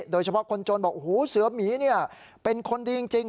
โดยเฉพาะคนจนบอกโอ้โหเสือหมีเป็นคนดีจริง